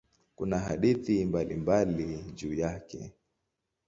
Kuna hadithi mbalimbali juu yake.